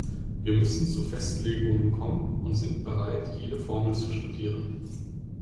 Wir müssen zu Festlegungen kommen und sind bereit, jede Formel zu studieren.